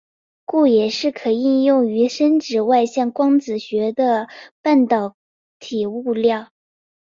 故也是可应用于深紫外线光电子学的半导体物料。